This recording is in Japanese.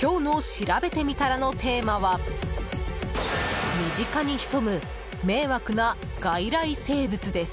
今日のしらべてみたらのテーマは身近に潜む迷惑な外来生物です。